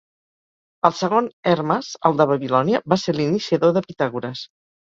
El segon Hermes, el de Babilònia, va ser l'iniciador de Pitàgores.